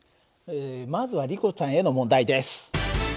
まずはリコちゃんへの問題です。